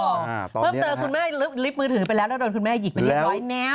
โอ้โหพรึ่งเตอคุณแม่ลิฟต์มือถือไปแล้วแล้วโดนคุณแม่หยิกมา๑๐๐แนว